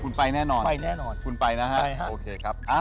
คุณไปแน่นอนไปแน่นอนคุณไปนะฮะใช่ฮะโอเคครับ